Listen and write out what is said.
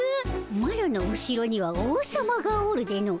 マロの後ろには王様がおるでの。